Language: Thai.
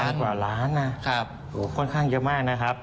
กว่าล้านนะครับค่อนข้างเยอะมากนะครับ